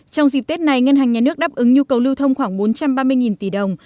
trong dịp tết này ngân hàng nhà nước đáp ứng nhu cầu lưu thông khoảng bốn trăm ba mươi tỷ đồng